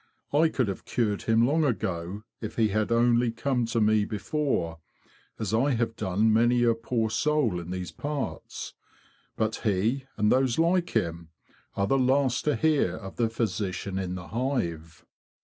I could have cured him long ago if he had only come to me before, as I have done many a poor soul in these parts; but he, and those like him, are the last to hear of the physician in the hive.